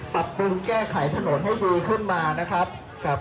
ปรับปรุงแก้ไขถนนให้ดีขึ้นมานะครับ